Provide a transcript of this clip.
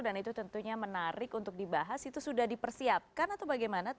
dan itu tentunya menarik untuk dibahas itu sudah dipersiapkan atau bagaimana